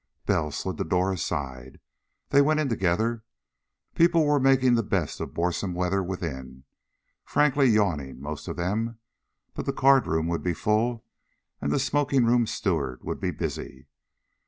Bell slid the door aside. They went in together. People were making the best of boresome weather within, frankly yawning, most of them. But the card room would be full, and the smoking room steward would be busy.